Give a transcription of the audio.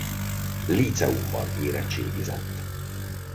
Líceumban érettségizett.